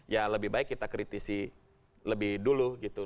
ya lebih baik kita kritisi lebih dulu gitu